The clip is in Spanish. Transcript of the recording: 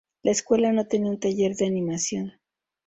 La escuela no tenía un taller de animación.